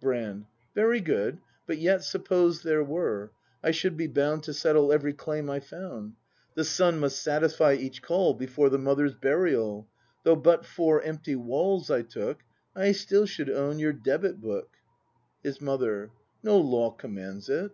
Brand. Very good; but yet Suppose there were, — I should be bound To settle every claim I found. The son must satisfy each call Before the mother's burial. Though but four empty walls I took, I still should own your debit book. His Mother. No law commands it.